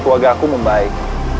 kelebihan keluarga aku membaik